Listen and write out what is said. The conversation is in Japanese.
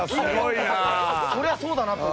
そりゃそうだなと。